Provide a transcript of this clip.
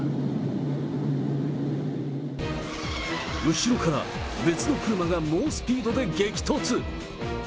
後ろから別の車が猛スピードで激突。